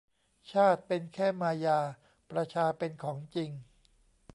ชาติเป็นแค่มายาประชาเป็นของจริง